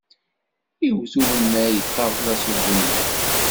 Iwet umennay ṭṭabla s ubunyiw.